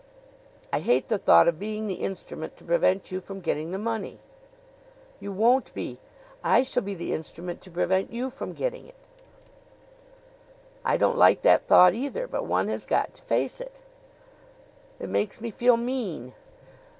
"I hate the thought of being the instrument to prevent you from getting the money." "You won't be. I shall be the instrument to prevent you from getting it. I don't like that thought, either; but one has got to face it." "It makes me feel mean."